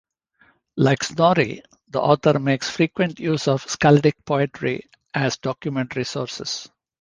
Like Snorri, the author makes frequent use of skaldic poetry as documentary sources.